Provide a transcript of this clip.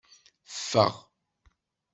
Ffeɣ.